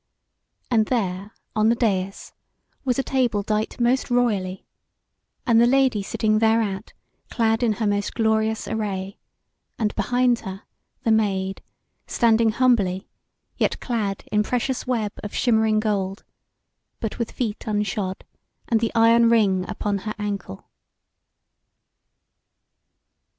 And there on the dais was a table dight most royally, and the Lady sitting thereat, clad in her most glorious array, and behind her the Maid standing humbly, yet clad in precious web of shimmering gold, but with feet unshod, and the iron ring upon her ankle.